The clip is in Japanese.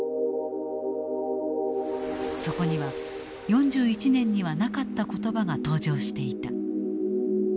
そこには４１年にはなかった言葉が登場していた。